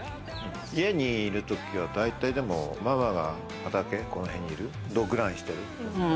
家にいるときは大体ママが畑、ここにいるロックダウンしてる。